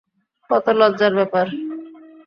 কত লজ্জার ব্যাপার!